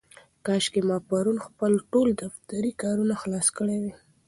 کاشکې ما پرون خپل ټول دفترې کارونه خلاص کړي وای.